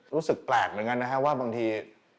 รู้สึกแปลกเหมือนกันนะครับว่าบางที